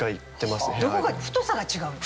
どこが太さが違うの？